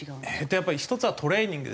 やっぱり１つはトレーニングですね。